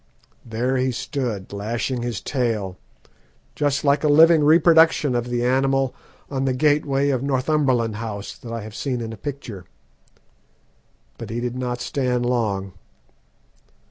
There he stood lashing his tail, just like a living reproduction of the animal on the gateway of Northumberland House that I have seen in a picture. But he did not stand long.